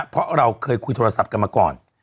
เพราะเราเคยคุยโทรศัพท์กันมาก่อน